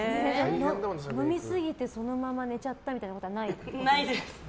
飲みすぎてそのまま寝ちゃったみたいなことはない？